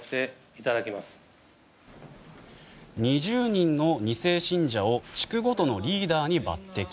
２０人の２世信者を地区ごとのリーダーに抜擢。